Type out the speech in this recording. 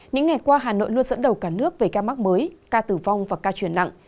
những ngày qua hà nội luôn dẫn đầu cả nước về ca mắc mới ca tử vong và ca truyền nặng